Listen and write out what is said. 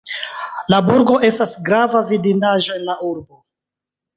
La burgo estas grava vidindaĵo en la urbo.